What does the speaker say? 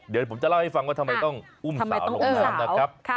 เดี๋ยวผมจะเล่าให้ฟังว่าทำไมต้องอุ้มสาวลงน้ำนะครับ